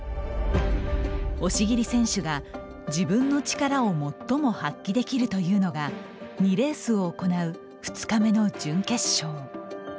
押切選手が「自分の力を最も発揮できる」と言うのが２レースを行う２日目の準決勝。